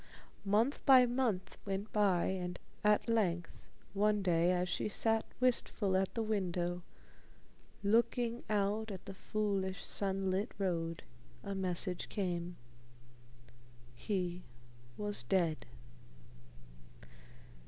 Month by month went by, and at length one day, as she sat wistful at the window, looking out at the foolish sunlit road, a message came. He was dead.